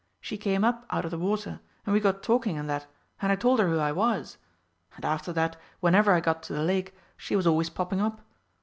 She came up out of the water, and we got talking and that, and I told her who I was. And after that, whenever I got to the lake, she was always popping up.